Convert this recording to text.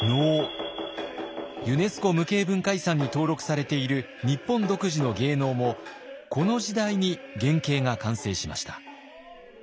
ユネスコ無形文化遺産に登録されている日本独自の芸能もこの時代に原型が完成しました。